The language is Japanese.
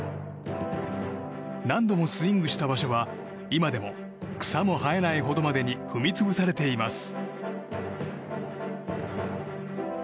何度もスイングした場所は今でも草も生えないほどまでに踏み潰されています。